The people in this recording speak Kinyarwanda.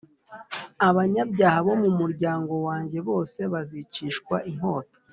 abanyabyaha bo mu muryango wanjye bose bazicishwa inkota,